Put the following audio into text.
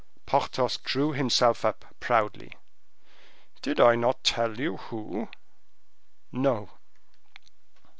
Porthos drew himself up proudly: "Did I not tell you who?" "No."